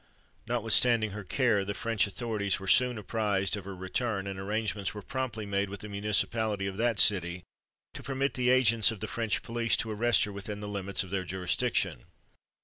Notwithstanding her care, the French authorities were soon apprised of her return; and arrangements were promptly made with the municipality of that city to permit the agents of the French police to arrest her within the limits of their jurisdiction.